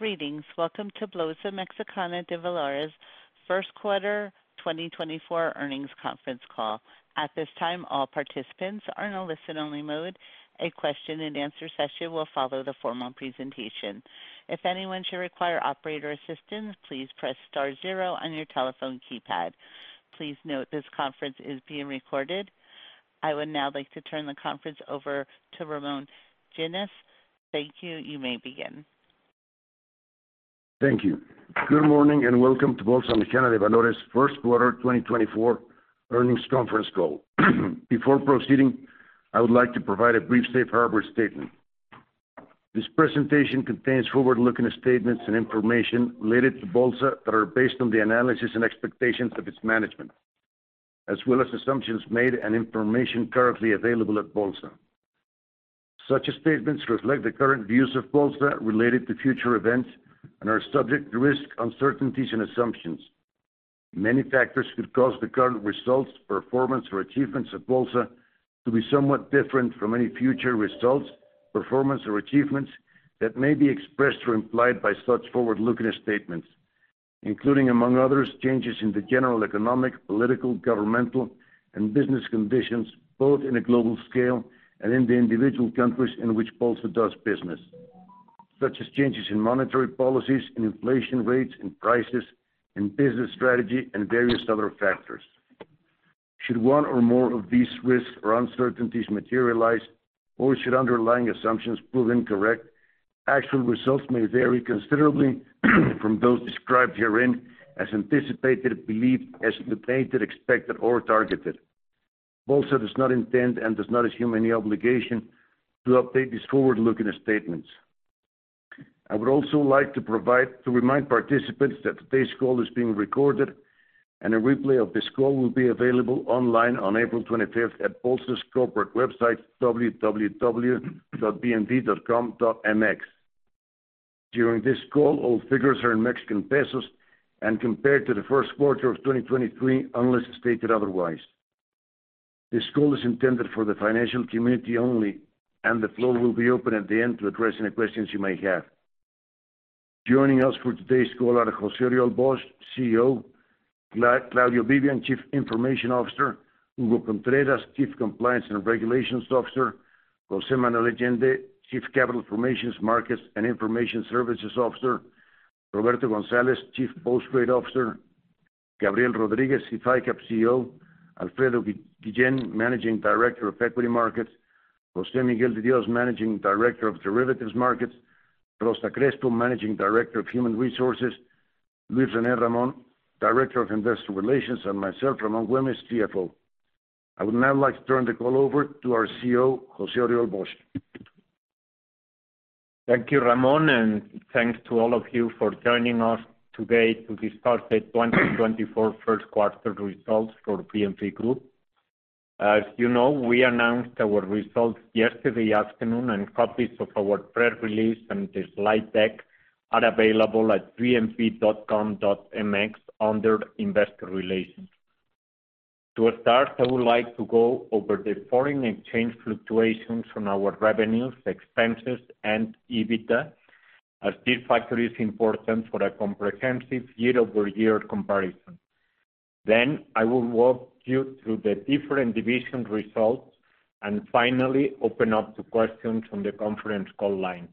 Greetings. Welcome to Bolsa Mexicana de Valores' Q1 2024 earnings conference call. At this time, all participants are in a listen-only mode. A Q&A session will follow the formal presentation. If anyone should require operator assistance, please press star zero on your telephone keypad. Please note this conference is being recorded. I would now like to turn the conference over to Ramón Güémez. Thank you. You may begin. Thank you. Good morning, and welcome to Bolsa Mexicana de Valores' Q1 2024 earnings conference call. Before proceeding, I would like to provide a brief safe harbor statement. This presentation contains forward-looking statements and information related to Bolsa that are based on the analysis and expectations of its management, as well as assumptions made and information currently available at Bolsa. Such statements reflect the current views of Bolsa related to future events and are subject to risks, uncertainties and assumptions. Many factors could cause the current results, performance or achievements of Bolsa to be somewhat different from any future results, performance or achievements that may be expressed or implied by such forward-looking statements, including, among others, changes in the general economic, political, governmental, and business conditions, both in a global scale and in the individual countries in which Bolsa does business. Such as changes in monetary policies and inflation rates and prices, and business strategy and various other factors. Should one or more of these risks or uncertainties materialize, or should underlying assumptions prove incorrect, actual results may vary considerably from those described herein as anticipated, believed, estimated, expected, or targeted. Bolsa does not intend and does not assume any obligation to update these forward-looking statements. I would also like to remind participants that today's call is being recorded, and a replay of this call will be available online on April 25, at Bolsa's corporate website, www.bmv.com.mx. During this call, all figures are in Mexican pesos and compared to the Q1 of 2023, unless stated otherwise. This call is intended for the financial community only, and the floor will be open at the end to address any questions you may have. Joining us for today's call are José-Oriol Bosch, CEO, Claudio Vivian, Chief Information Officer, Hugo Contreras, Chief Compliance and Regulations Officer, José Manuel Allende, Chief Capital Formations, Markets and Information Services Officer, Roberto González, Chief Post Trade Officer, Gabriel Rodríguez, SIF ICAP CEO, Alfredo Guillén, Managing Director of Equity Markets, José Miguel de Dios, Managing Director of Derivatives Markets, Rosa Crespo, Managing Director of Human Resources, Luis René Ramón, Director of Investor Relations, and myself, Ramón Güémez, CFO. I would now like to turn the call over to our CEO, José-Oriol Bosch. Thank you, Ramón, and thanks to all of you for joining us today to discuss the 2024 Q1 results for BMV Group. As you know, we announced our results yesterday afternoon, and copies of our press release and the slide deck are available at bmv.com.mx under Investor Relations. To start, I would like to go over the foreign exchange fluctuations from our revenues, expenses and EBITDA, as this factor is important for a comprehensive year-over-year comparison. Then, I will walk you through the different division results and finally open up to questions from the conference call line.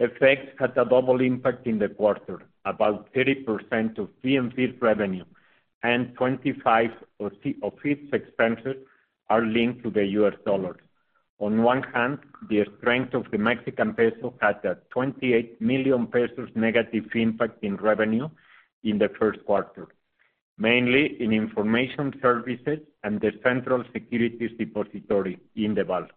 FX had a double impact in the quarter. About 30% of BMV's revenue and 25% of its expenses are linked to the US dollar. On one hand, the strength of the Mexican peso had a 28 million pesos negative impact in revenue in the Q1, mainly in information services and the central securities depository, Indeval.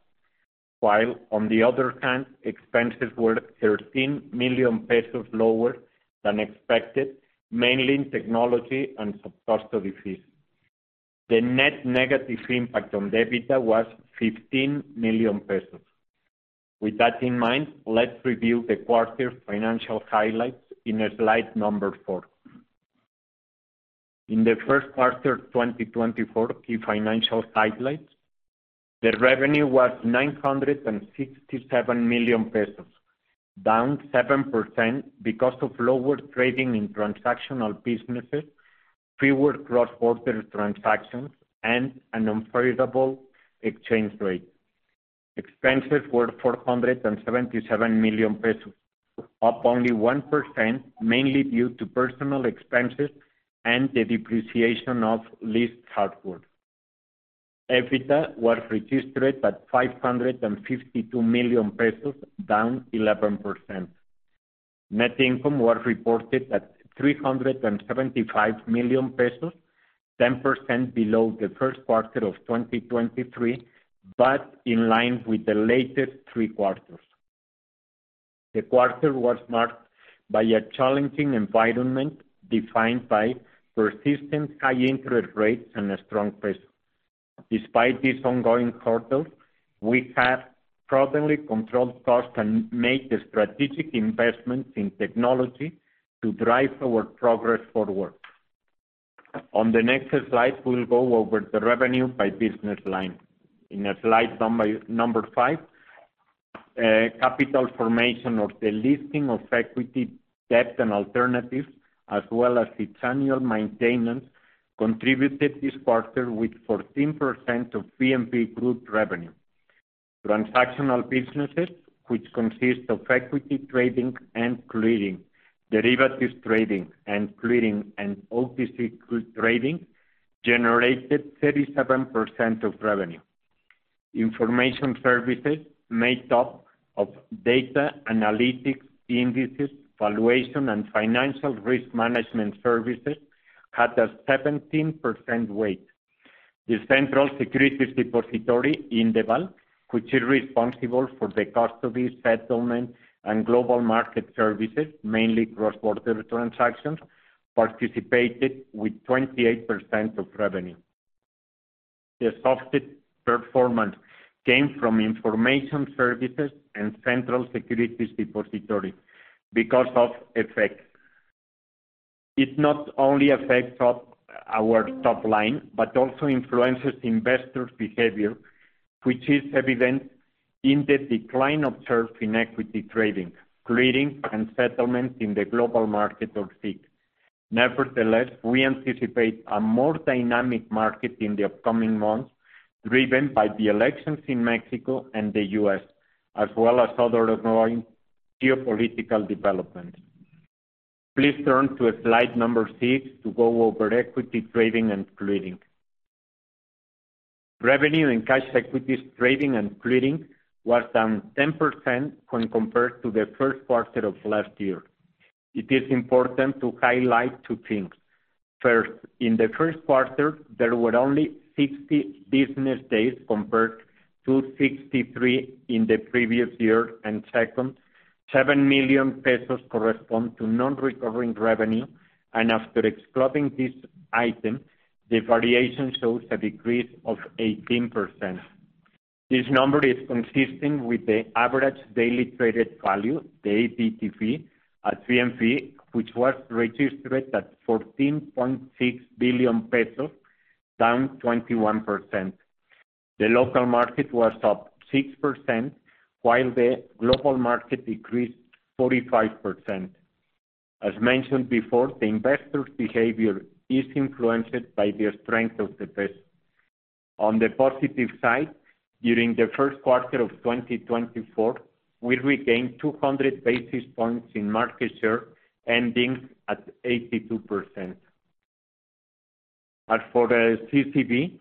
While on the other hand, expenses were 13 million pesos lower than expected, mainly in technology and substantial deficit. The net negative impact on the EBITDA was 15 million pesos. With that in mind, let's review the quarter's financial highlights in slide number 4. In the Q1 of 2024, key financial highlights: The revenue was 967 million pesos, down 7% because of lower trading in transactional businesses, fewer cross-border transactions, and an unfavorable exchange rate. Expenses were 477 million pesos, up only 1%, mainly due to personnel expenses and the depreciation of leased hardware. EBITDA was registered at 552 million pesos, down 11%. Net income was reported at 375 million pesos, 10% below the Q1 of 2023, but in line with the latest three quarters. The quarter was marked by a challenging environment defined by persistent high interest rates and a strong peso. Despite this ongoing quarter, we have properly controlled costs and made the strategic investments in technology to drive our progress forward.... On the next slide, we'll go over the revenue by business line. In a slide number, number five, capital formation of the listing of equity, debt, and alternatives, as well as its annual maintenance, contributed this quarter with 14% of Grupo BMV revenue. Transactional businesses, which consist of equity trading and clearing, derivatives trading and clearing, and OTC trading, generated 37% of revenue. Information services, made up of data analytics, indices, valuation, and financial risk management services, had a 17% weight. The Central Securities Depository, Indeval, which is responsible for the custody, settlement, and global market services, mainly cross-border transactions, participated with 28% of revenue. The softer performance came from information services and central securities depository because of FX. It not only affects our top line, but also influences investors' behavior, which is evident in the decline observed in equity trading, clearing, and settlement in the global market of SIC. Nevertheless, we anticipate a more dynamic market in the upcoming months, driven by the elections in Mexico and the U.S., as well as other ongoing geopolitical developments. Please turn to slide number 6 to go over equity trading and clearing. Revenue and cash equities trading and clearing was down 10% when compared to the Q1 of last year. It is important to highlight two things. First, in the Q1, there were only 60 business days compared to 63 in the previous year. Second, 7 million pesos correspond to non-recurring revenue, and after excluding this item, the variation shows a decrease of 18%. This number is consistent with the average daily traded value, the ADTV, at BMV, which was registered at 14.6 billion pesos, down 21%. The local market was up 6%, while the global market decreased 45%. As mentioned before, the investors' behavior is influenced by the strength of the peso. On the positive side, during the Q1 of 2024, we regained 200 basis points in market share, ending at 82%. As for the CCP,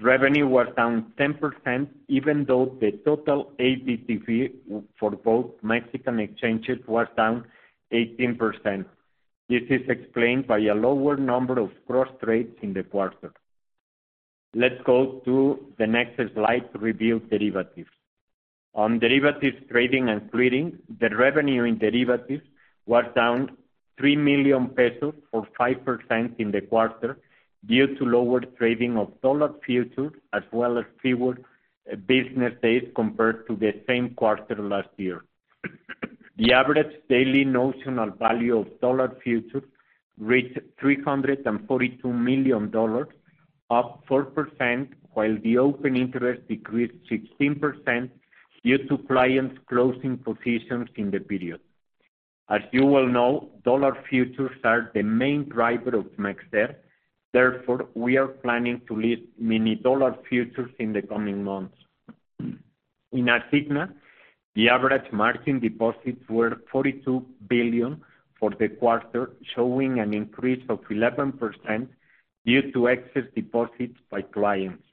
revenue was down 10%, even though the total ADTV for both Mexican exchanges was down 18%. This is explained by a lower number of cross trades in the quarter. Let's go to the next slide to review derivatives. On derivatives trading and clearing, the revenue in derivatives was down 3 million pesos, or 5% in the quarter, due to lower trading of dollar futures, as well as fewer business days compared to the same quarter last year. The average daily notional value of dollar futures reached $342 million, up 4%, while the open interest decreased 16% due to clients closing positions in the period. As you well know, dollar futures are the main driver of MexDer, therefore, we are planning to list mini dollar futures in the coming months. In Asigna, the average margin deposits were 42 billion for the quarter, showing an increase of 11% due to excess deposits by clients.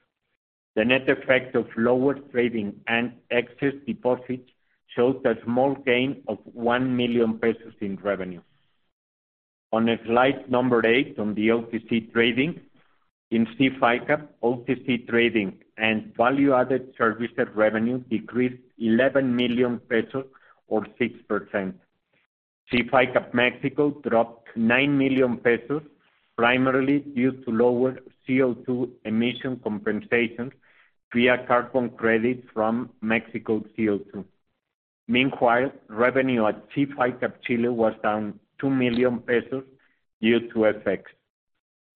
The net effect of lower trading and excess deposits shows a small gain of 1 million pesos in revenue. On slide number 8, on the OTC trading, in SIF ICAP, OTC trading and value-added services revenue decreased 11 million pesos, or 6%. SIF ICAP Mexico dropped 9 million pesos, primarily due to lower CO2 emission compensations via carbon credits from Mexico CO2. Meanwhile, revenue at SIF ICAP Chile was down 2 million pesos due to FX.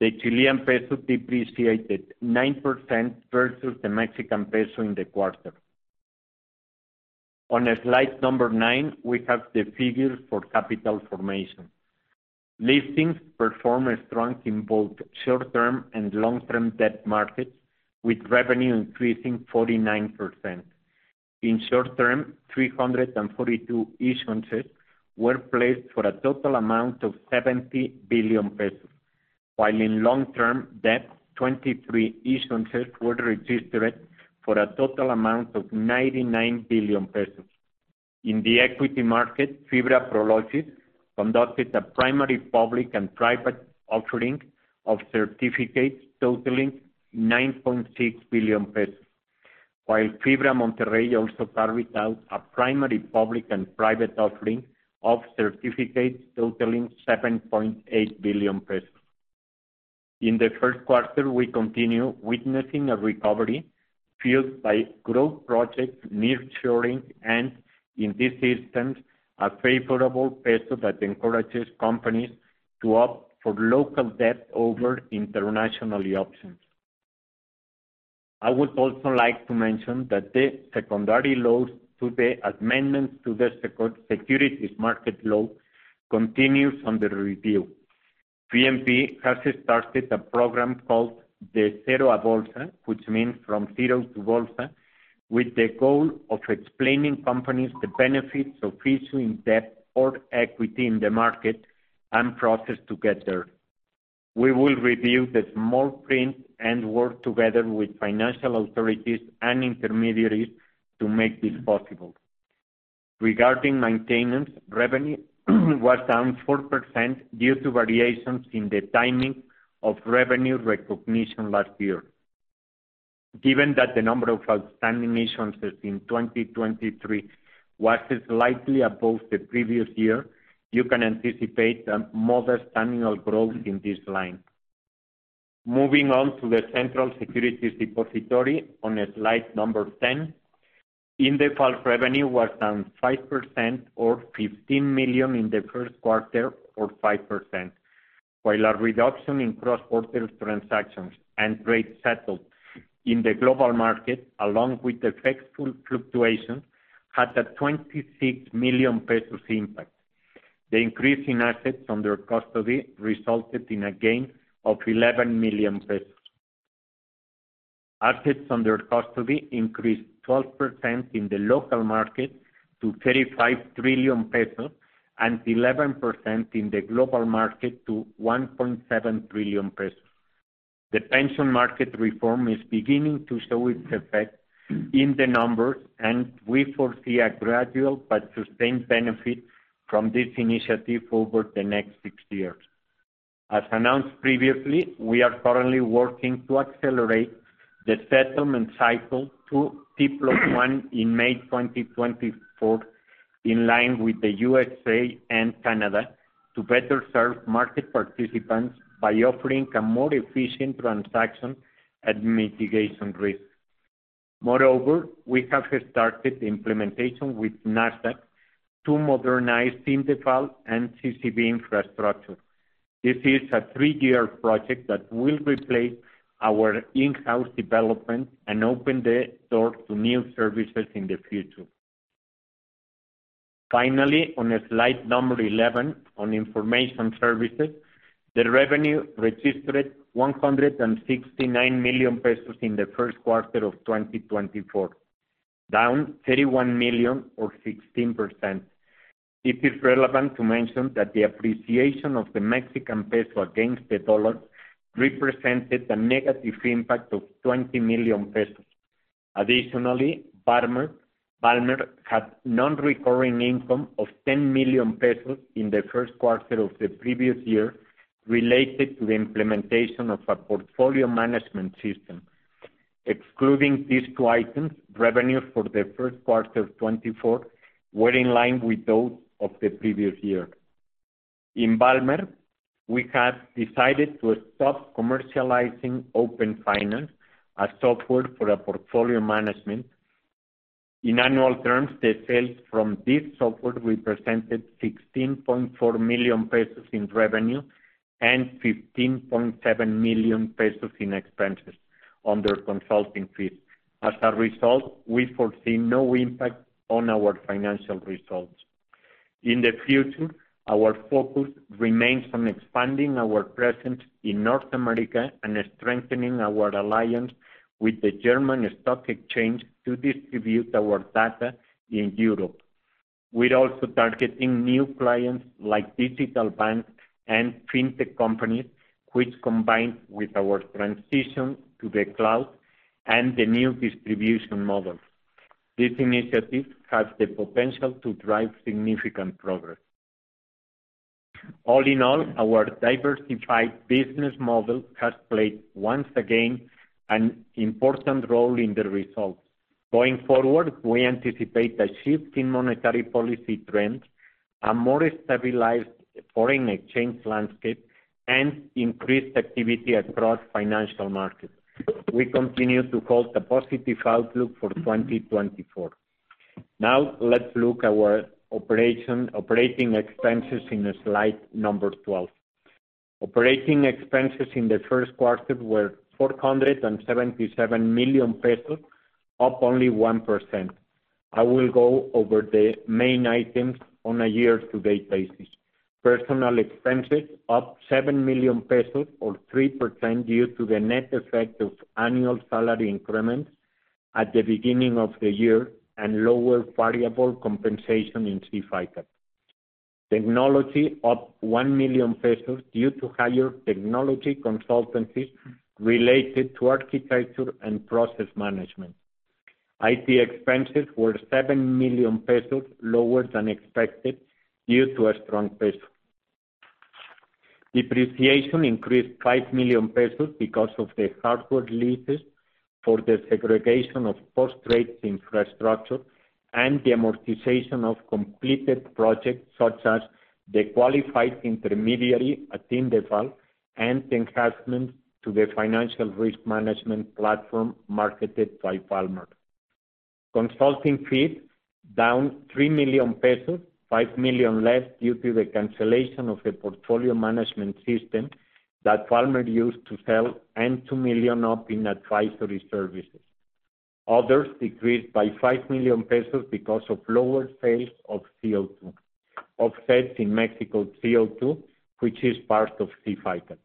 The Chilean peso depreciated 9% versus the Mexican peso in the quarter. On slide number 9, we have the figures for capital formation. Listings performed strong in both short-term and long-term debt markets, with revenue increasing 49%. In short-term, 342 issuances were placed for a total amount of 70 billion pesos, while in long-term debt, 23 issuances were registered for a total amount of 99 billion pesos. In the equity market, FIBRA Prologis conducted a primary, public, and private offering of certificates totaling 9.6 billion pesos, while FIBRA Monterrey also carried out a primary, public, and private offering of certificates totaling 7.8 billion pesos. In the Q1, we continue witnessing a recovery fueled by growth projects, nearshoring, and in this instance, a favorable peso that encourages companies to opt for local debt over international options. I would also like to mention that the secondary laws to the amendments to the securities market law continues under review. BMV has started a program called the Cero a Bolsa, which means from zero to bolsa, with the goal of explaining companies the benefits of issuing debt or equity in the market and process to get there. We will review the small print and work together with financial authorities and intermediaries to make this possible. Regarding maintenance, revenue was down 4% due to variations in the timing of revenue recognition last year. Given that the number of outstanding emissions is in 2023, was slightly above the previous year, you can anticipate a modest annual growth in this line. Moving on to the central securities depository on slide number 10. Indeval, revenue was down 5% or 15 million in the Q1, or 5%, while a reduction in cross-border transactions and rates settled in the global market, along with the FX fluctuations, had a 26 million pesos impact. The increase in assets under custody resulted in a gain of 11 million pesos. Assets under custody increased 12% in the local market to 35 trillion pesos, and 11% in the global market to 1.7 trillion pesos. The pension market reform is beginning to show its effect in the numbers, and we foresee a gradual but sustained benefit from this initiative over the next 6 years. As announced previously, we are currently working to accelerate the settlement cycle to T+1 in May 2024, in line with the USA and Canada, to better serve market participants by offering a more efficient transaction and mitigation risk. Moreover, we have started implementation with Nasdaq to modernize Indeval and CCV infrastructure. This is a 3-year project that will replace our in-house development and open the door to new services in the future. Finally, on slide number 11, on information services, the revenue registered 169 million pesos in the Q1 of 2024, down 31 million or 16%. It is relevant to mention that the appreciation of the Mexican peso against the dollar represented a negative impact of 20 million pesos. Additionally, Valmer, Valmer had non-recurring income of 10 million pesos in the Q1 of the previous year, related to the implementation of a portfolio management system. Excluding these two items, revenue for the Q1 of 2024 were in line with those of the previous year. In Valmer, we have decided to stop commercializing OpenFinance, a software for a portfolio management. In annual terms, the sales from this software represented 16.4 million pesos in revenue and 15.7 million pesos in expenses under consulting fees. As a result, we foresee no impact on our financial results. In the future, our focus remains on expanding our presence in North America and strengthening our alliance with the German Stock Exchange to distribute our data in Europe. We're also targeting new clients like digital banks and fintech companies, which combined with our transition to the cloud and the new distribution model. This initiative has the potential to drive significant progress. All in all, our diversified business model has played once again, an important role in the results. Going forward, we anticipate a shift in monetary policy trends, a more stabilized foreign exchange landscape, and increased activity across financial markets. We continue to hold a positive outlook for 2024. Now, let's look at our operating expenses in slide number 12. Operating expenses in the Q1 were 477 million pesos, up only 1%. I will go over the main items on a year-to-date basis. Personal expenses up 7 million pesos, or 3%, due to the net effect of annual salary increments at the beginning of the year and lower variable compensation in SIF ICAP. Technology, up 1 million pesos due to higher technology consultancies related to architecture and process management. IT expenses were 7 million pesos lower than expected, due to a strong peso. Depreciation increased 5 million pesos because of the hardware leases for the segregation of post-trade infrastructure and the amortization of completed projects, such as the qualified intermediary at Indeval and enhancements to the financial risk management platform marketed by Valmer. Consulting fees down 3 million pesos, 5 million less due to the cancellation of the portfolio management system that Valmer used to sell, and 2 million up in advisory services. Others decreased by 5 million pesos because of lower sales of CO2 offsets in Mexico CO2, which is part of SIF ICAP.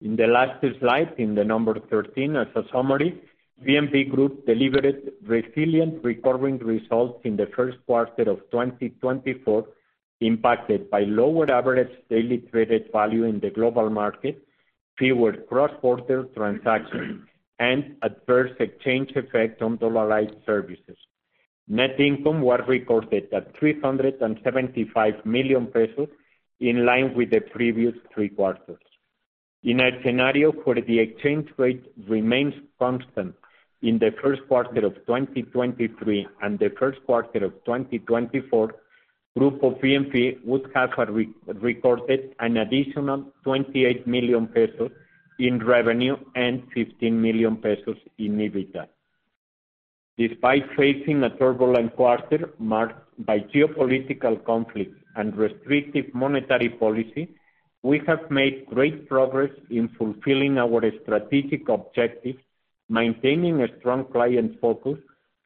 In the last slide, in the number 13, as a summary, BMV Group delivered resilient recurring results in the Q1 of 2024, impacted by lower average daily traded value in the global market, fewer cross-border transactions, and adverse exchange effect on dollarized services. Net income was recorded at 375 million pesos, in line with the previous three quarters. In a scenario where the exchange rate remains constant in the Q1 of 2023 and the Q1 of 2024, Grupo BMV would have re-recorded an additional 28 million pesos in revenue and 15 million pesos in EBITDA. Despite facing a turbulent quarter marked by geopolitical conflicts and restrictive monetary policy, we have made great progress in fulfilling our strategic objectives, maintaining a strong client focus,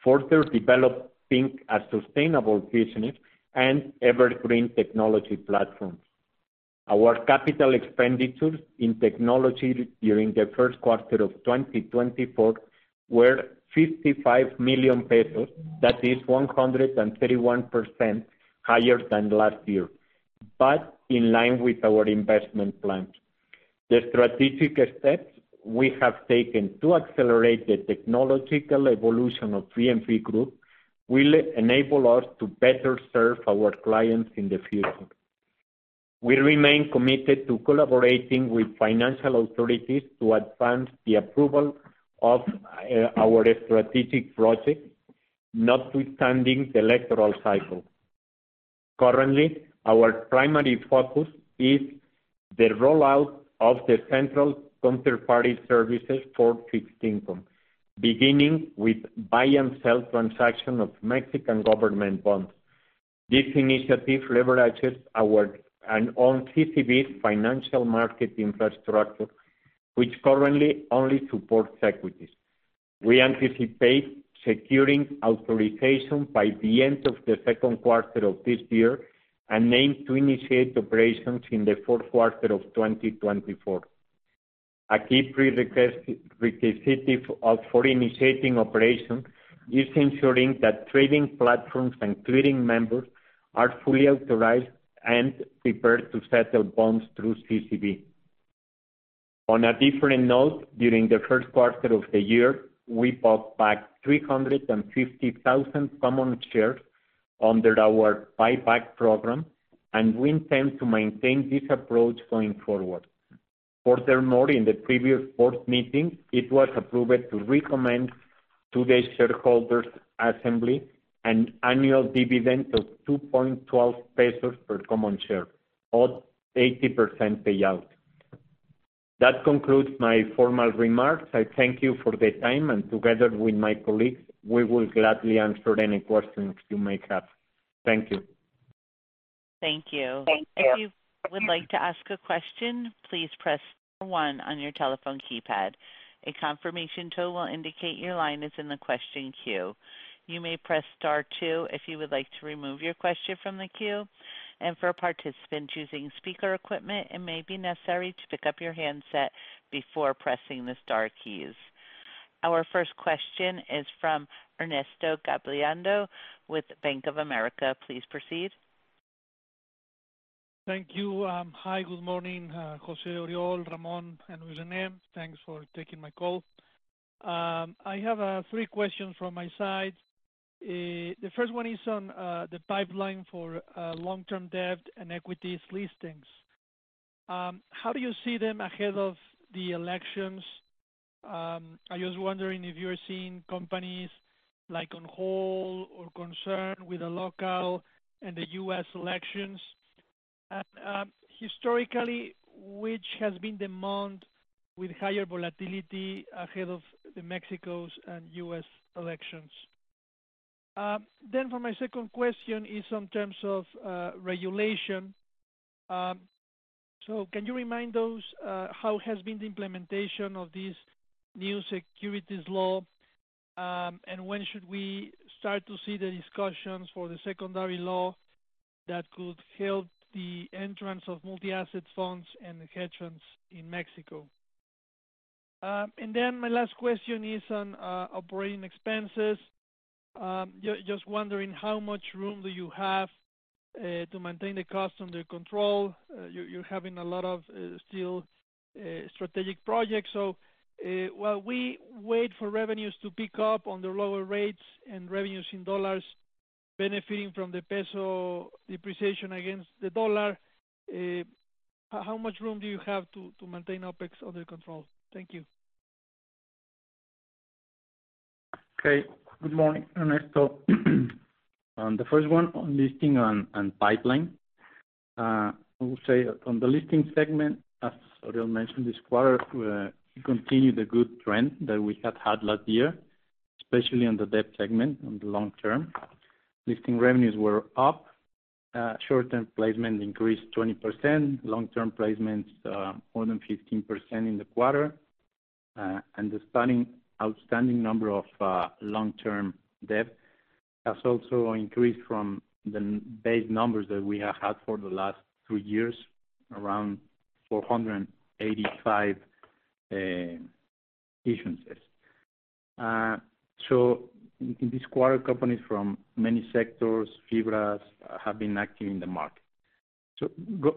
further developing a sustainable business and evergreen technology platforms. Our capital expenditures in technology during the Q1 of 2024 were 55 million pesos. That is 131% higher than last year, but in line with our investment plans. The strategic steps we have taken to accelerate the technological evolution of BMV Group will enable us to better serve our clients in the future. We remain committed to collaborating with financial authorities to advance the approval of our strategic project, notwithstanding the electoral cycle. Currently, our primary focus is the rollout of the central counterparty services for fixed income, beginning with buy and sell transaction of Mexican government bonds. This initiative leverages our own CCV's financial market infrastructure, which currently only supports equities. We anticipate securing authorization by the end of the Q2 of this year, and aim to initiate operations in the Q4 of 2024. A key prerequisite for initiating operation is ensuring that trading platforms and clearing members are fully authorized and prepared to settle bonds through CCV. On a different note, during the Q1 of the year, we bought back 350,000 common shares under our buyback program, and we intend to maintain this approach going forward. Furthermore, in the previous board meeting, it was approved to recommend to the shareholders assembly an annual dividend of 2.12 pesos per common share, or 80% payout. That concludes my formal remarks. I thank you for the time, and together with my colleagues, we will gladly answer any questions you may have. Thank you. Thank you. Thank you. If you would like to ask a question, please press star one on your telephone keypad. A confirmation tone will indicate your line is in the question queue. You may press Star two if you would like to remove your question from the queue, and for a participant choosing speaker equipment, it may be necessary to pick up your handset before pressing the star keys. Our first question is from Ernesto Gabilondo with Bank of America. Please proceed. Thank you. Hi, good morning, José-Oriol, Ramón, and Luis René. Thanks for taking my call. I have three questions from my side. The first one is on the pipeline for long-term debt and equities listings. How do you see them ahead of the elections? I was wondering if you are seeing companies, like, on hold or concerned with the local and the US elections. And historically, which has been the month with higher volatility ahead of Mexico's and US elections? Then for my second question is on terms of regulation. So can you remind us how has been the implementation of this new securities law? And when should we start to see the discussions for the secondary law that could help the entrance of multi-asset funds and hedge funds in Mexico? And then my last question is on operating expenses. Just wondering, how much room do you have to maintain the cost under control? You're having a lot of still strategic projects. So, while we wait for revenues to pick up on the lower rates and revenues in dollars benefiting from the peso depreciation against the dollar, how much room do you have to maintain OpEx under control? Thank you.... Okay, good morning, Ernesto. The first one on listing, on pipeline. I will say on the listing segment, as Ariel mentioned, this quarter continued the good trend that we had had last year, especially on the debt segment on the long term. Listing revenues were up, short-term placement increased 20%, long-term placements, more than 15% in the quarter. And the stunning outstanding number of long-term debt has also increased from the base numbers that we have had for the last three years, around 485 issuances. So in this quarter, companies from many sectors, FIBRAs, have been active in the market. So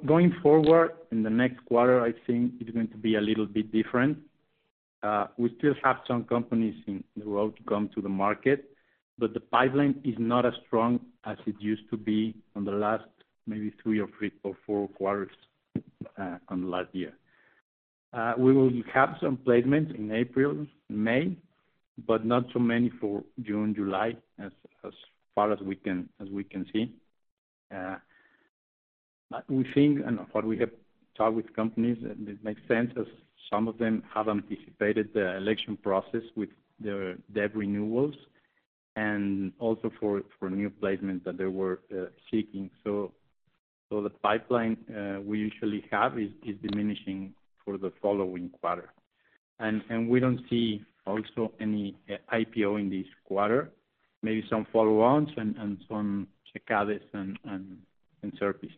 going forward, in the next quarter, I think it's going to be a little bit different. We still have some companies in the road to come to the market, but the pipeline is not as strong as it used to be on the last maybe three or four quarters, on last year. We will have some placement in April, May, but not so many for June, July, as far as we can see. But we think and what we have talked with companies, it makes sense as some of them have anticipated the election process with their debt renewals, and also for new placements that they were seeking. So the pipeline we usually have is diminishing for the following quarter. And we don't see also any IPO in this quarter. Maybe some follow-ons and some CBs and services.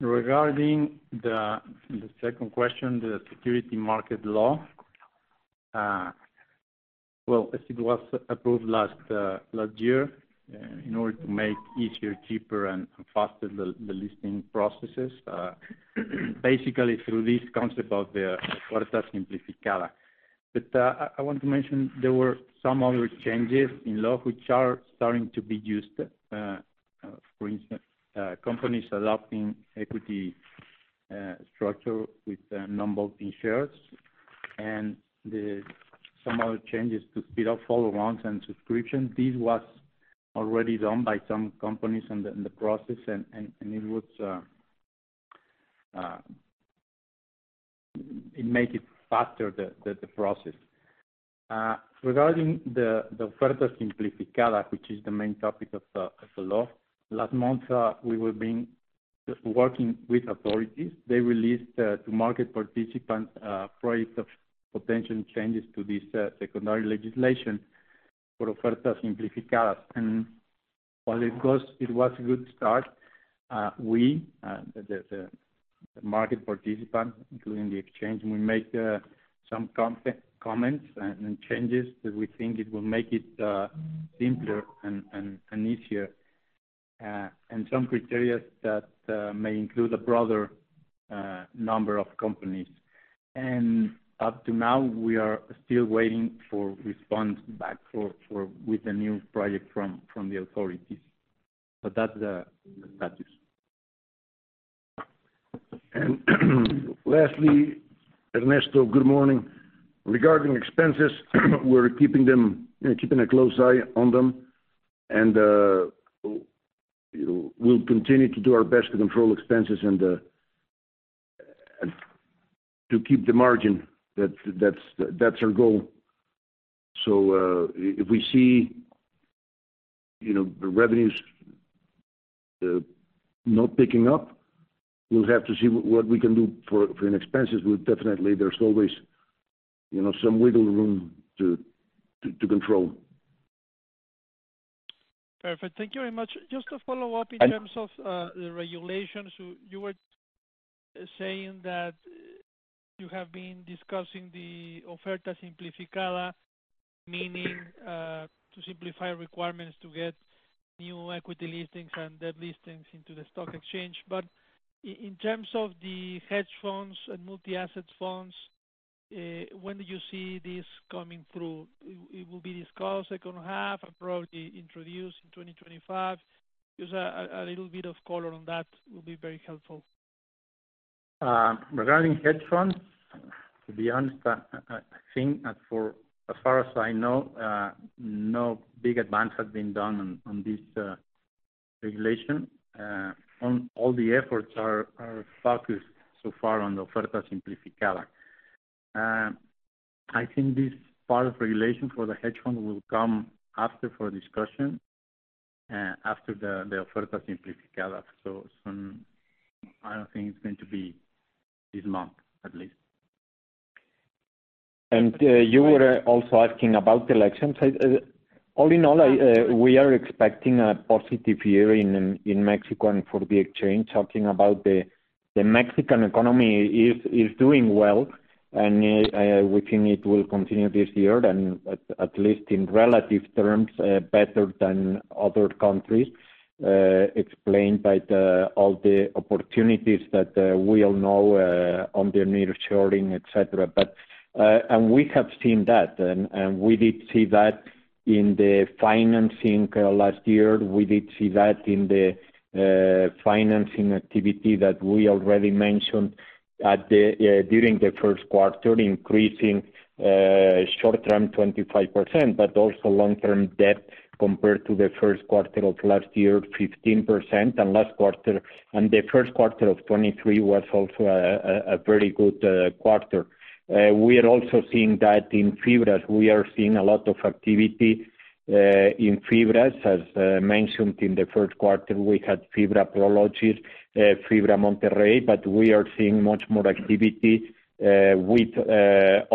Regarding the second question, the securities market law, well, as it was approved last year, in order to make easier, cheaper, and faster the listing processes, basically through this concept of the Oferta Simplificada. But I want to mention there were some other changes in law which are starting to be used, for instance, companies adopting equity structure with number in shares, and the some other changes to speed up follow-ons and subscription. This was already done by some companies in the process and it was. It make it faster, the process. Regarding the Oferta Simplificada, which is the main topic of the law, last month we were being just working with authorities. They released to market participants projects of potential changes to this secondary legislation for Oferta Simplificada. And while it was a good start, we, the market participants, including the exchange, we make some comments and changes that we think it will make it simpler and easier, and some criteria that may include a broader number of companies. And up to now, we are still waiting for response back for with the new project from the authorities. But that's the status. And lastly, Ernesto, good morning. Regarding expenses, we're keeping them, keeping a close eye on them, and, we'll continue to do our best to control expenses and, and to keep the margin. That's, that's, that's our goal. So, if we see, you know, the revenues, not picking up, we'll have to see what we can do for, for in expenses, but definitely there's always, you know, some wiggle room to, to, to control. Perfect. Thank you very much. Just to follow up- I- In terms of the regulations, you were saying that you have been discussing the Oferta Simplificada, meaning to simplify requirements to get new equity listings and debt listings into the stock exchange. But in terms of the hedge funds and multi-asset funds, when do you see this coming through? It will be discussed second half and probably introduced in 2025. Just a little bit of color on that will be very helpful. Regarding hedge funds, to be honest, I think as far as I know, no big advance has been done on this regulation. All the efforts are focused so far on the Oferta Simplificada. I think this part of regulation for the hedge fund will come after for discussion, after the Oferta Simplificada. I don't think it's going to be this month, at least. You were also asking about the elections. All in all, we are expecting a positive year in Mexico and for the exchange. Talking about the Mexican economy is doing well, and we think it will continue this year, and at least in relative terms, better than other countries, explained by all the opportunities that we all know on the nearshoring, et cetera. But, and we have seen that, and we did see that in the financing last year. We did see that in the financing activity that we already mentioned during the Q1, increasing short-term 25%, but also long-term debt compared to the Q1 of last year, 15%, and last quarter, and the Q1 of 2023 was also a very good quarter. We are also seeing that in FIBRAs, we are seeing a lot of activity.... in FIBRA. As mentioned in the Q1, we had FIBRA Prologis, FIBRA Monterrey, but we are seeing much more activity with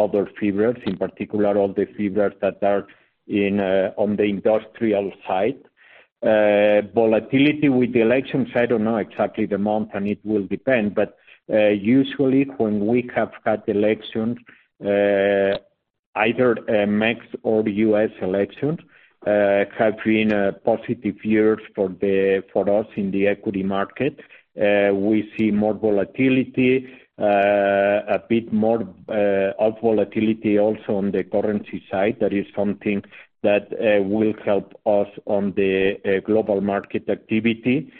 other FIBRA, in particular, all the FIBRA that are in on the industrial side. Volatility with the elections, I don't know exactly the month, and it will depend, but usually when we have had elections, either Mexico or U.S. elections have been positive years for us in the equity market. We see more volatility, a bit more of volatility also on the currency side. That is something that will help us on the global market activity.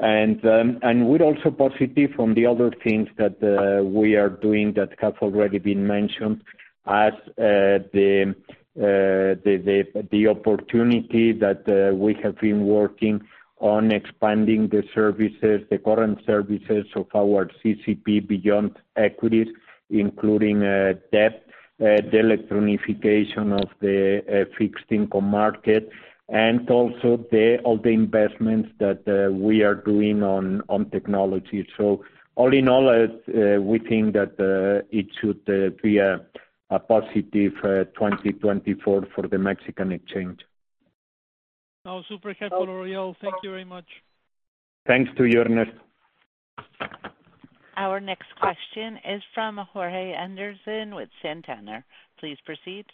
And we're also positive from the other things that we are doing that have already been mentioned, as the opportunity that we have been working on expanding the services, the current services of our CCP beyond equities, including debt, the electronification of the fixed income market, and also all the investments that we are doing on technology. So all in all, we think that it should be a positive 2024 for the Mexican exchange. No, super helpful, Oriol. Thank you very much. Thanks to you, Ernesto. Our next question is from Jorge Henderson with Santander. Please proceed.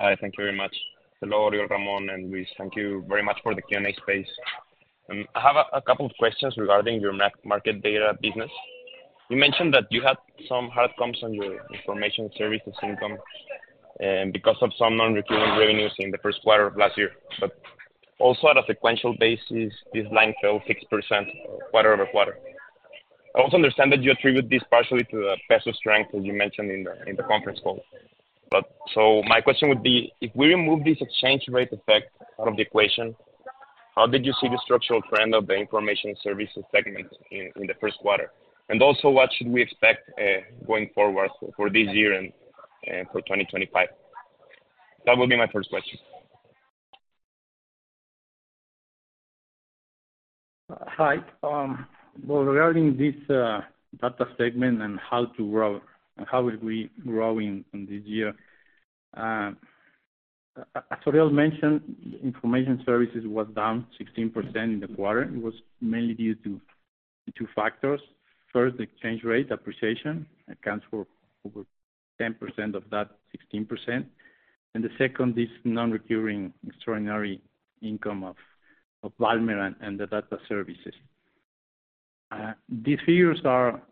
Hi, thank you very much. Hello, Oriol, Ramon, and Luis. Thank you very much for the Q&A space. I have a couple of questions regarding your market data business. You mentioned that you had some hard comps on your information services income, and because of some non-recurring revenues in the Q1 of last year. But also at a sequential basis, this line fell 6% quarter-over-quarter. I also understand that you attribute this partially to the peso strength, as you mentioned in the conference call. But so my question would be: If we remove this exchange rate effect out of the equation, how did you see the structural trend of the information services segment in the Q1? And also, what should we expect going forward for this year and for 2025? That would be my first question. Hi. Well, regarding this data segment and how to grow, and how are we growing in this year, as Oriol mentioned, information services was down 16% in the quarter. It was mainly due to two factors. First, the exchange rate appreciation accounts for over 10% of that 16%, and the second is non-recurring extraordinary income of Valmer and the data services. These figures are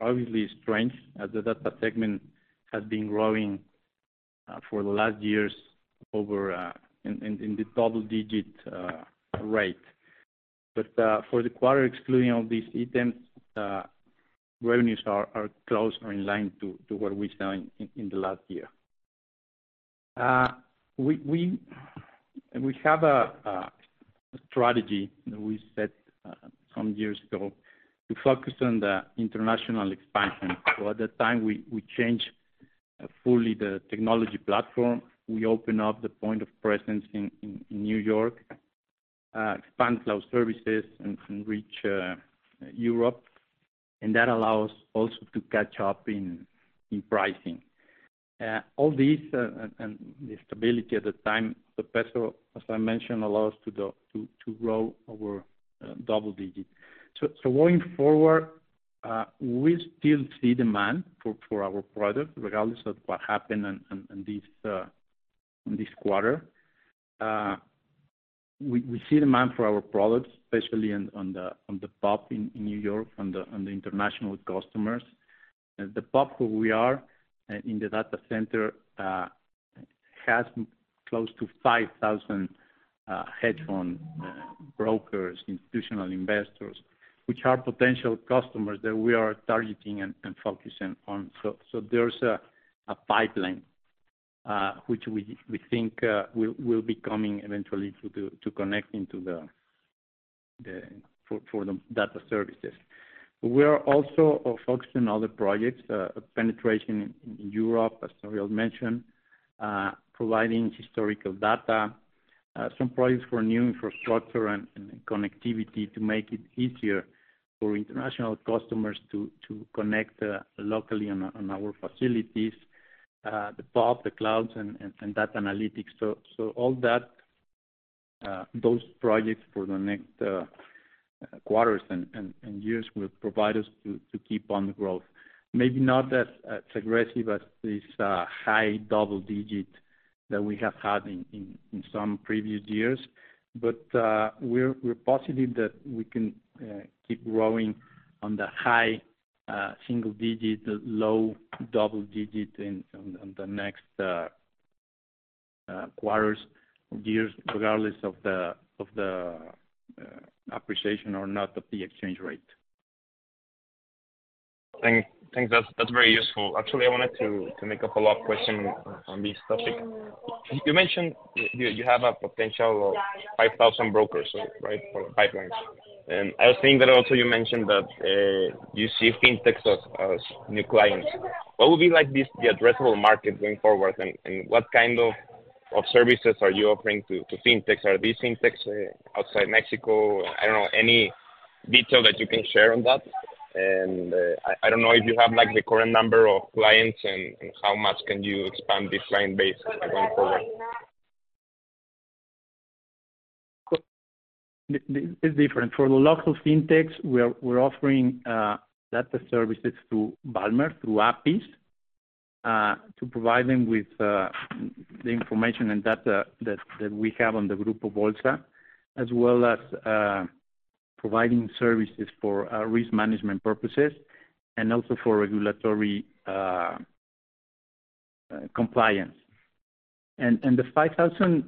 obviously strong, as the data segment has been growing for the last years over in the double-digit rate. But for the quarter, excluding all these items, revenues are close or in line to what we've done in the last year. We have a strategy that we set some years ago to focus on the international expansion. So at the time, we changed fully the technology platform. We open up the point of presence in New York, expand cloud services and reach Europe, and that allows also to catch up in pricing. All this, and the stability at the time, the peso, as I mentioned, allows us to grow over double digits. So going forward, we still see demand for our product, regardless of what happened in this quarter. We see demand for our products, especially on the POP in New York, on the international customers. The POP where we are in the data center has close to 5,000 hedge fund brokers, institutional investors, which are potential customers that we are targeting and focusing on. So, there's a pipeline which we think will be coming eventually to connect into the for the data services. We are also focused on other projects, penetration in Europe, as Oriol mentioned, providing historical data, some projects for new infrastructure and connectivity to make it easier for international customers to connect locally on our facilities, the POP, the clouds and data analytics. So, all that, those projects for the next quarters and years will provide us to keep on the growth. Maybe not as aggressive as this high double digit that we have had in some previous years, but we're positive that we can keep growing on the high single digit, low double digit in the next quarters, years, regardless of the appreciation or not of the exchange rate. Thanks. Thanks. That's very useful. Actually, I wanted to make a follow-up question on this topic. You mentioned you have a potential of 5,000 brokers, right? For pipelines. And I was thinking that also you mentioned that you see Fintech as new clients. What would be the addressable market going forward, and what kind of services are you offering to Fintechs? Are these Fintechs outside Mexico? I don't know, any detail that you can share on that. And I don't know if you have, like, the current number of clients, and how much can you expand this client base going forward? It's different. For the local Fintechs, we're offering data services to Valmer, through APIs, to provide them with the information and data that we have on the group of Bolsa, as well as providing services for risk management purposes and also for regulatory compliance. And the 5,000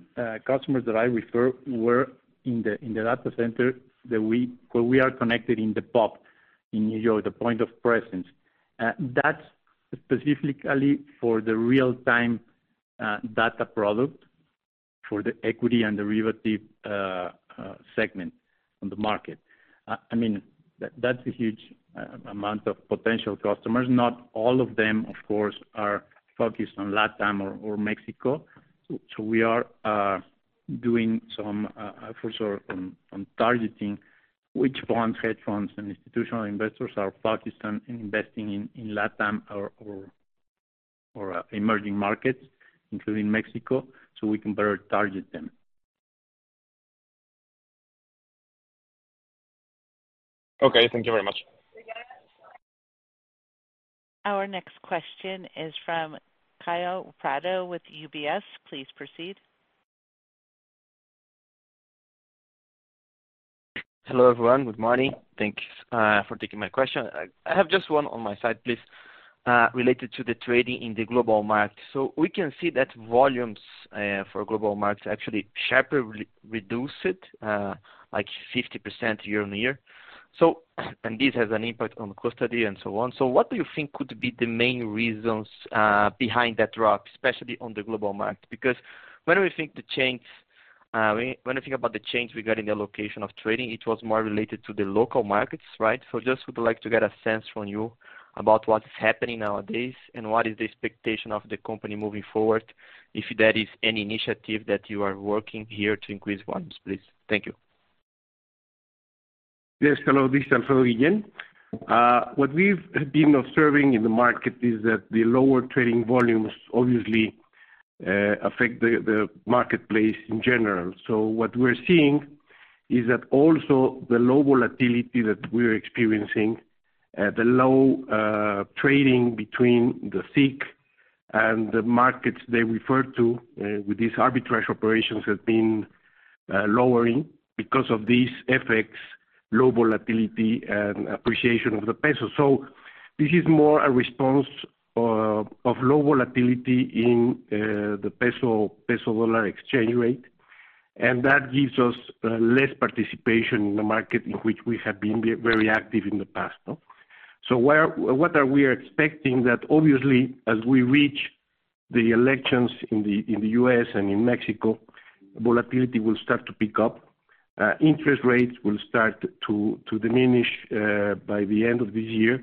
customers that I refer were in the data center where we are connected in the POP, in New York, the point of presence. That's specifically for the real-time data product for the equity and derivative segment on the market. I mean, that's a huge amount of potential customers. Not all of them, of course, are focused on Latin or Mexico, so we are doing some efforts on targeting which hedge funds and institutional investors are focused on investing in Latin or emerging markets, including Mexico, so we can better target them. Okay, thank you very much. Our next question is from Caio Prado with UBS. Please proceed. Hello, everyone. Good morning. Thanks for taking my question. I have just one on my side, please, related to the trading in the global market. So we can see that volumes for global markets actually sharply re-reduced, like 50% year-on-year. And this has an impact on custody and so on. So what do you think could be the main reasons behind that drop, especially on the global market? Because when we think the change, when we think about the change regarding the location of trading, it was more related to the local markets, right? So just would like to get a sense from you about what is happening nowadays, and what is the expectation of the company moving forward, if there is any initiative that you are working here to increase volumes, please. Thank you. Yes, hello, this is Alfredo again. What we've been observing in the market is that the lower trading volumes obviously affect the marketplace in general. So what we're seeing is that also the low volatility that we're experiencing, the low trading between the SIC and the markets they refer to with these arbitrage operations have been lowering because of these effects, low volatility and appreciation of the peso. So this is more a response of low volatility in the peso, peso-dollar exchange rate, and that gives us less participation in the market, in which we have been very active in the past, no? So what are we expecting, that obviously, as we reach the elections in the U.S. and in Mexico, volatility will start to pick up, interest rates will start to diminish, by the end of this year,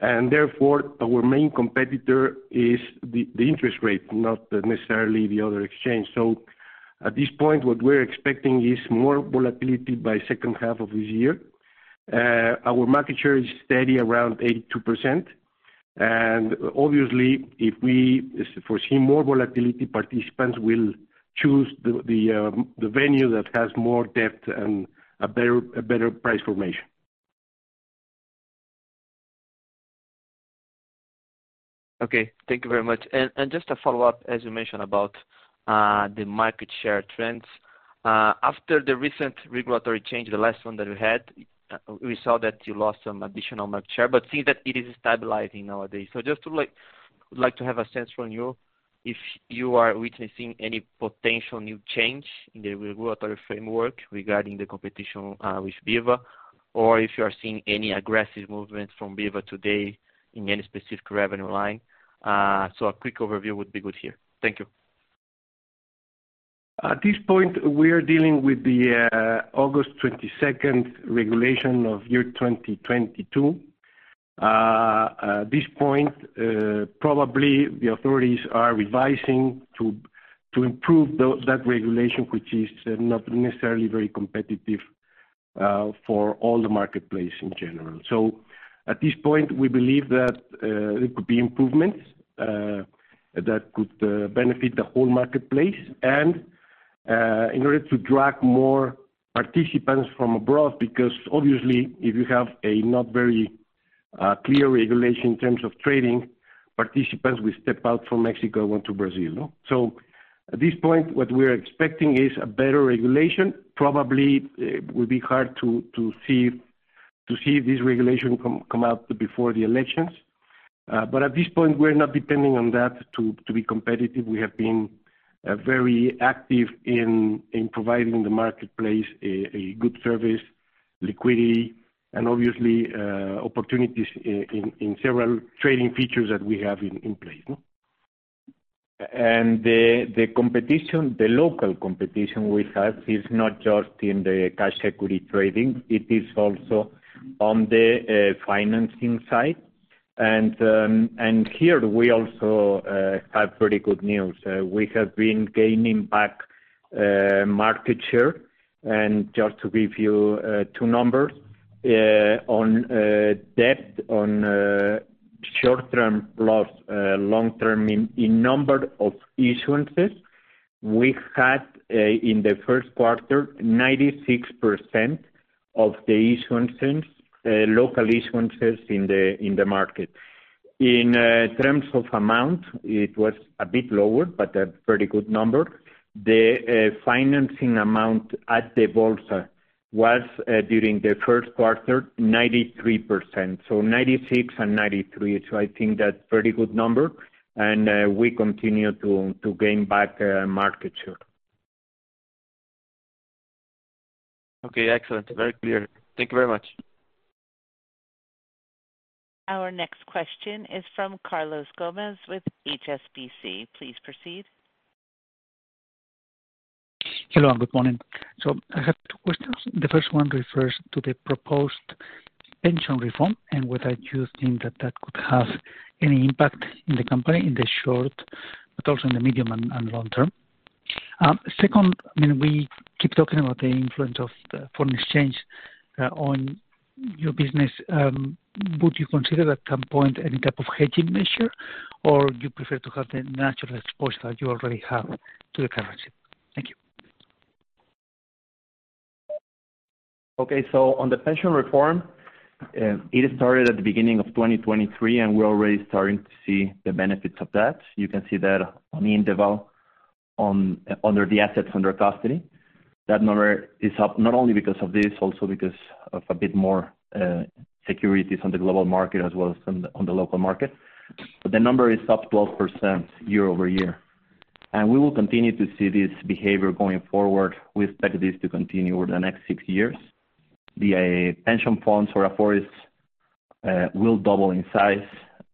and therefore, our main competitor is the interest rate, not necessarily the other exchange. So at this point, what we're expecting is more volatility by second half of this year. Our market share is steady around 82%. And obviously, if we foresee more volatility, participants will choose the venue that has more depth and a better price formation. Okay, thank you very much. And just a follow-up, as you mentioned about the market share trends. After the recent regulatory change, the last one that you had, we saw that you lost some additional market share, but seems that it is stabilizing nowadays. So just to like, like to have a sense from you, if you are witnessing any potential new change in the regulatory framework regarding the competition with BIVA, or if you are seeing any aggressive movements from BIVA today in any specific revenue line. So a quick overview would be good to hear. Thank you. At this point, we are dealing with the August 22, 2022 regulation. At this point, probably the authorities are revising to improve that regulation, which is not necessarily very competitive for all the marketplace in general. So at this point, we believe that there could be improvements that could benefit the whole marketplace and in order to attract more participants from abroad, because obviously, if you have a not very clear regulation in terms of trading, participants will step out from Mexico, go to Brazil, no? So at this point, what we are expecting is a better regulation. Probably, it will be hard to see this regulation come out before the elections. But at this point, we're not depending on that to be competitive. We have been very active in providing the marketplace a good service, liquidity, and obviously, opportunities in several trading features that we have in place, no? The competition, the local competition we have, is not just in the cash equity trading. It is also on the financing side. ...And, and here we also have pretty good news. We have been gaining back market share. And just to give you two numbers on debt, on short-term plus long-term in number of issuances, we had in the Q1, 96% of the issuances, local issuances in the market. In terms of amount, it was a bit lower, but a pretty good number. The financing amount at the Bolsa was during the Q1, 93%. So 96 and 93, so I think that's pretty good number, and we continue to gain back market share. Okay, excellent. Very clear. Thank you very much. Our next question is from Carlos Gomez with HSBC. Please proceed. Hello, and good morning. I have two questions. The first one refers to the proposed pension reform, and whether you think that that could have any impact in the company in the short, but also in the medium and long term? Second, I mean, we keep talking about the influence of the foreign exchange on your business. Would you consider at some point any type of hedging measure, or you prefer to have the natural exposure that you already have to the currency? Thank you. Okay. So on the pension reform, it started at the beginning of 2023, and we're already starting to see the benefits of that. You can see that on Indeval, on, under the assets under custody. That number is up not only because of this, also because of a bit more, securities on the global market as well as on the, on the local market. But the number is up 12% year-over-year. And we will continue to see this behavior going forward. We expect this to continue over the next six years. The, pension funds or AFORES, will double in size,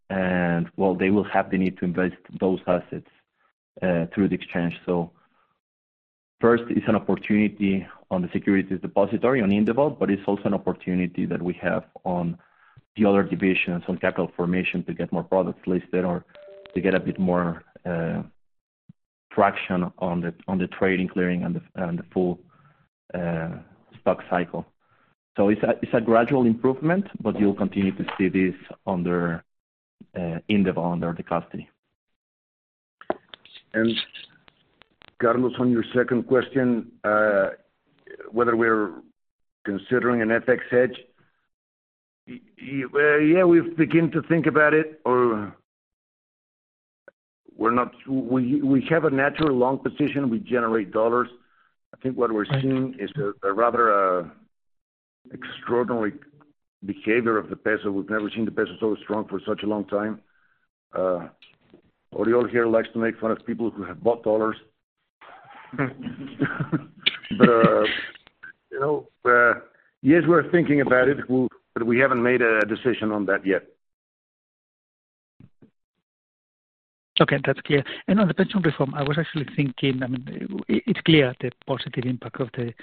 and well, they will have the need to invest those assets, through the exchange. So first, it's an opportunity on the securities depository on Indeval, but it's also an opportunity that we have on the other divisions, on capital formation, to get more products listed or to get a bit more traction on the trading clearing and the full stock cycle. So it's a gradual improvement, but you'll continue to see this under Indeval, under the custody. Carlos, on your second question, whether we're considering an FX hedge, yeah, we've begun to think about it, or we're not, we have a natural long position, we generate U.S. dollars. I think what we're seeing- Thank you. It is a rather extraordinary behavior of the Mexican peso. We've never seen the Mexican peso so strong for such a long time. Oriol here likes to make fun of people who have bought U.S. dollars. But, you know, yes, we're thinking about it, but we haven't made a decision on that yet. Okay, that's clear. And on the pension reform, I was actually thinking, I mean, it's clear the positive impact of the pension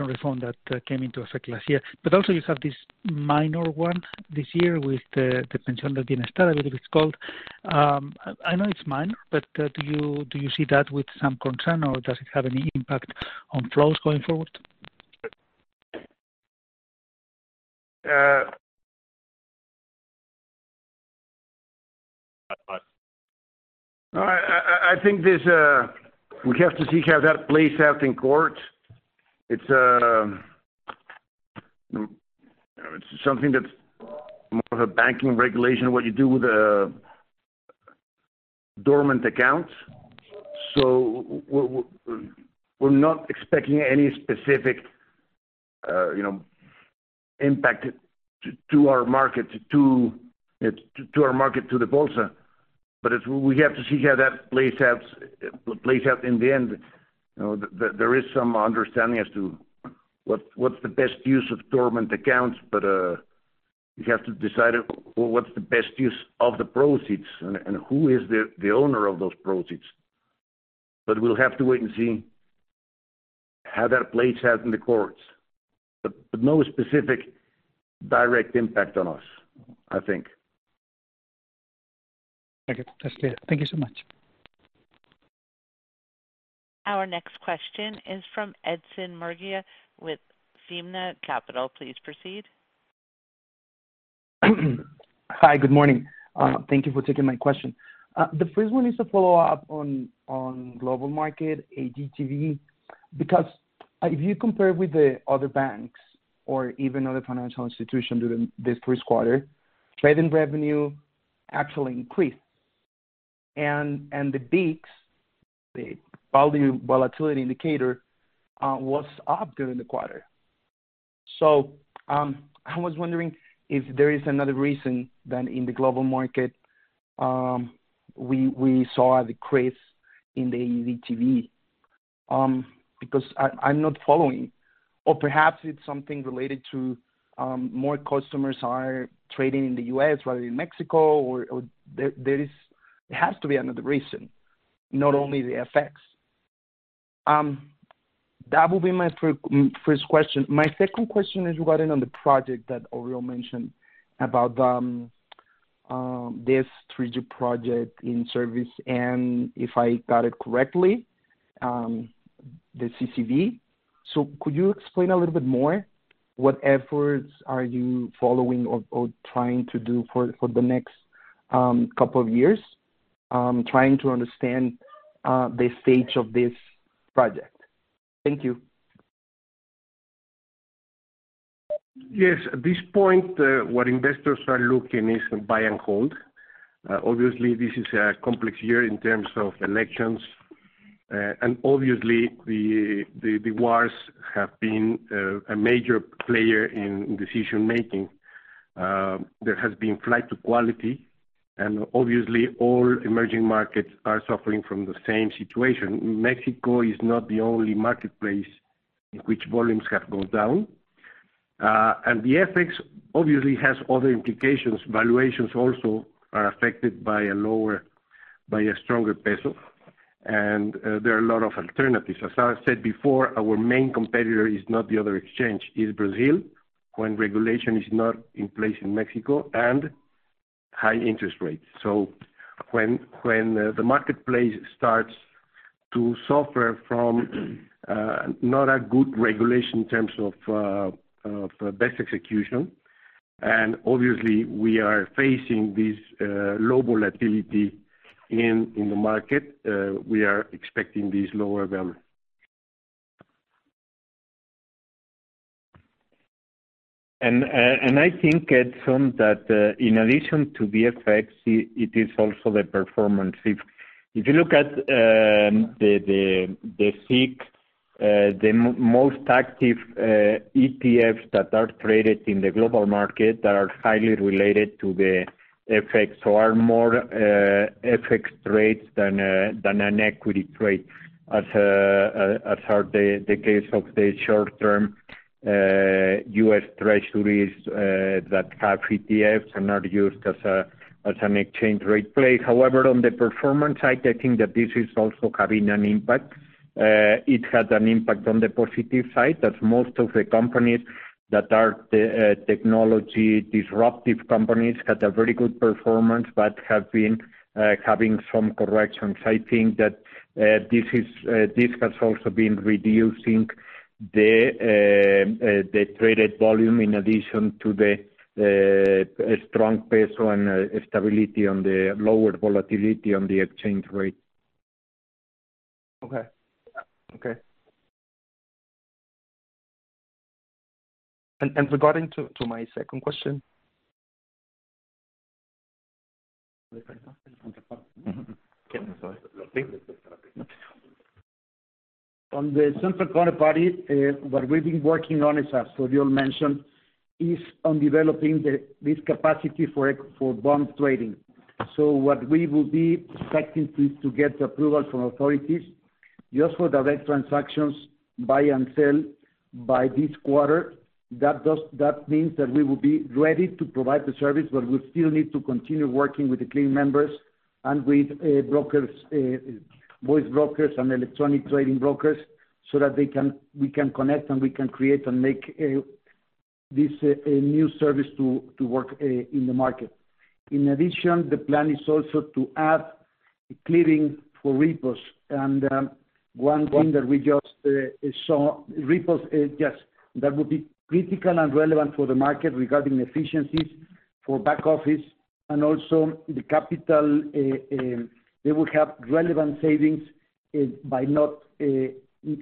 reform that came into effect last year. But also you have this minor one this year with the Pensión del Bienestar I think this, we have to see how that plays out in court. It's something that's more of a banking regulation, what you do with dormant accounts. So we're not expecting any specific, you know, impact to our market, to our market, to the Bolsa. But it's, we have to see how that plays out, plays out in the end. You know, there is some understanding as to what, what's the best use of dormant accounts, but you have to decide what's the best use of the proceeds and who is the owner of those proceeds. But we'll have to wait and see how that plays out in the courts. But no specific direct impact on us, I think. Thank you. That's clear. Thank you so much. Our next question is from Edson Murguía with Summa Capital. Please proceed. Hi, good morning. Thank you for taking my question. The first one is a follow-up on global market, ADTV, because if you compare with the other banks or even other financial institutions during this Q1, trade and revenue actually increased. And the VIX, the volume volatility indicator, was up during the quarter. So, I was wondering if there is another reason than in the global market, we saw a decrease in the ADTV, because I am not following. Or perhaps it's something related to more customers are trading in the U.S. rather than Mexico, or there is. There has to be another reason, not only the FX. That will be my first question. My second question is regarding on the project that Oriol mentioned about, this inaudible project in service, and if I got it correctly, the CCV. So could you explain a little bit more, what efforts are you following or trying to do for the next couple of years? Trying to understand the stage of this project. Thank you. Yes, at this point, what investors are looking is buy and hold. Obviously, this is a complex year in terms of elections, and obviously the, the, the wars have been, a major player in decision making. There has been flight to quality, and obviously all emerging markets are suffering from the same situation. Mexico is not the only marketplace in which volumes have gone down. And the FX obviously has other implications. Valuations also are affected by a lower-- by a stronger peso. And, there are a lot of alternatives. As I said before, our main competitor is not the other exchange, is Brazil, when regulation is not in place in Mexico, and high interest rates. So when the marketplace starts to suffer from not a good regulation in terms of best execution, and obviously we are facing this low volatility in the market, we are expecting this lower volume. And I think, Edson, that in addition to the effects, it is also the performance. If you look at the SIC, the most active ETFs that are traded in the global market are highly related to the FX. So are more FX trades than an equity trade, as are the case of the short-term U.S. treasuries that have ETFs and are used as an exchange rate play. However, on the performance side, I think that this is also having an impact. It had an impact on the positive side, as most of the companies that are technology disruptive companies had a very good performance, but have been having some corrections. I think that this has also been reducing the traded volume, in addition to the strong peso and stability on the lower volatility on the exchange rate. Okay. And regarding to my second question? On the central counterparty, what we've been working on, as Oriol mentioned, is on developing this capacity for bond trading. So what we will be expecting to get the approval from authorities just for direct transactions, buy and sell, by this quarter. That means that we will be ready to provide the service, but we still need to continue working with the clearing members and with brokers, voice brokers and electronic trading brokers, so that we can connect and we can create and make this new service to work in the market. In addition, the plan is also to add clearing for repos, and one thing that we just saw... Repos, yes, that would be critical and relevant for the market regarding efficiencies for back office and also the capital. They will have relevant savings by not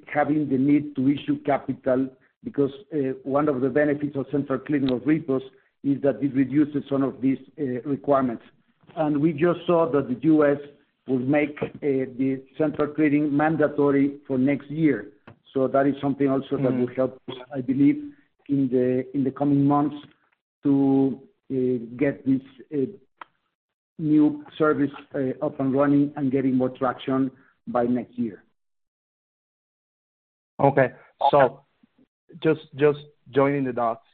having the need to issue capital, because one of the benefits of central clearing of repos is that it reduces some of these requirements. And we just saw that the US will make the central clearing mandatory for next year. So that is something also- Mm. -that will help, I believe, in the coming months to get this new service up and running and getting more traction by next year. Okay. So just joining the dots.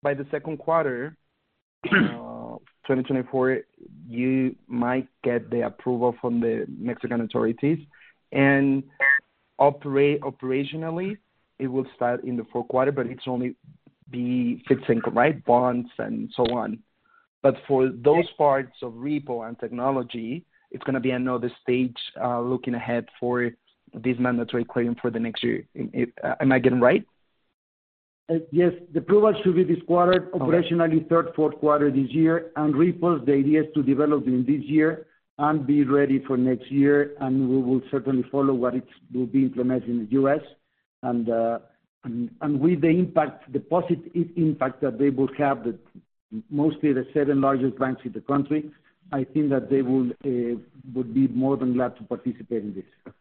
By the Q2, 2024, you might get the approval from the Mexican authorities, and operationally, it will start in the Q4, but it's only be fixed income, right? Bonds and so on. But for those parts of repo and technology, it's gonna be another stage, looking ahead for this mandatory requirement for the next year. Am I getting it right? Yes. The approval should be this quarter. Okay. Operationally, third, Q4 this year. And repos, the idea is to develop in this year and be ready for next year, and we will certainly follow what will be implemented in the U.S. And with the impact, the positive impact that they will have, mostly the seven largest banks in the country, I think that they will be more than glad to participate in this.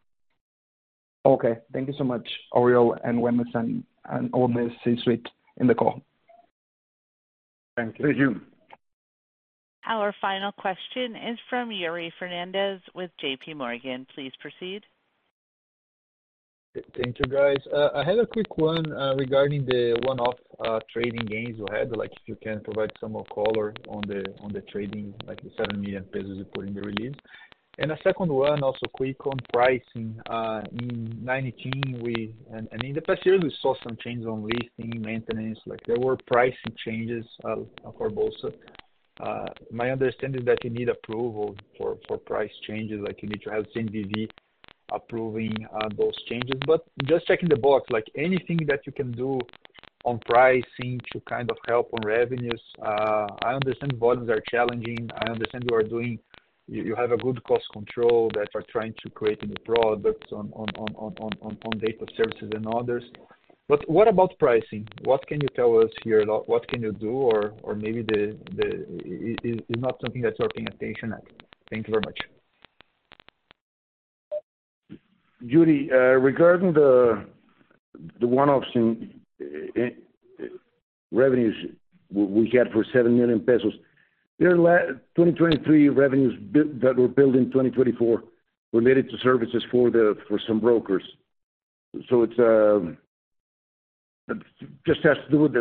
Okay. Thank you so much, Oriol and Ramon, and all the C-suite in the call. Thank you. Thank you. Our final question is from Yuri Fernandes with JP Morgan. Please proceed. ... Thank you, guys. I had a quick one regarding the one-off trading gains you had, like, if you can provide some more color on the, on the trading, like the 7 million pesos you put in the release. A second one, also quick on pricing. In 2019 and in the past year, we saw some changes on listing, maintenance, like there were pricing changes for Bolsa. My understanding is that you need approval for price changes, like you need to have CNBV approving those changes. But just checking the box, like anything that you can do on pricing to kind of help on revenues. I understand volumes are challenging, I understand you are doing—you have a good cost control that are trying to create new products on data services and others. But what about pricing? What can you tell us here? What can you do? Or maybe it's not something that's your attention at. Thank you very much. Yuri, regarding the one-off in revenues we had for 7 million pesos. They are 2023 revenues that were billed in 2024, related to services for some brokers. So it's just has to do with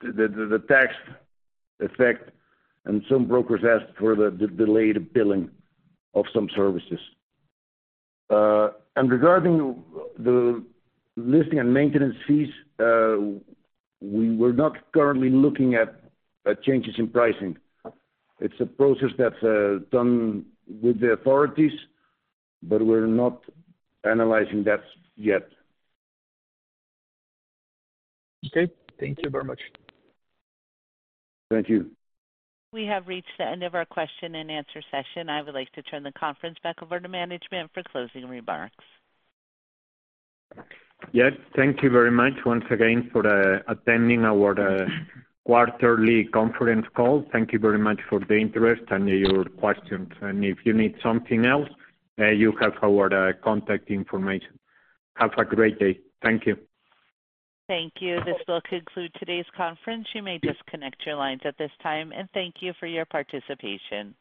the tax effect, and some brokers asked for the delayed billing of some services. And regarding the listing and maintenance fees, we were not currently looking at changes in pricing. It's a process that's done with the authorities, but we're not analyzing that yet. Okay, thank you very much. Thank you. We have reached the end of our Q&A session. I would like to turn the conference back over to management for closing remarks. Yes, thank you very much once again for attending our quarterly conference call. Thank you very much for the interest and your questions. If you need something else, you have our contact information. Have a great day. Thank you. Thank you. This will conclude today's conference. You may disconnect your lines at this time, and thank you for your participation.